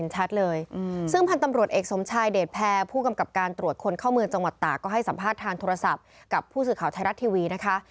จังหวัดตาก็ให้สัมภาษณ์ทางโทรศัพท์กับผู้สื่อข่าวชายรัฐทีวีนะคะ